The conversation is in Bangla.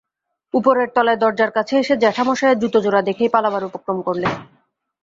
উপরের তলায় দরজার কাছে এসে জ্যাঠামশায়ের জুতোজোড়া দেখেই পালাবার উপক্রম করলে।